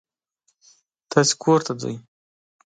تاسې کور ته ځئ.